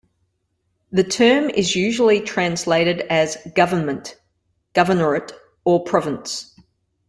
The term is usually translated as "government", "governorate", or "province".